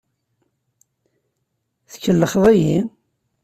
Tkellxeḍ-iyi?